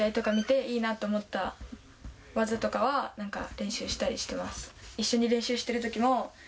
優月の試合とか見て、いいなと思った技とかは、なんか、練習したりしてます。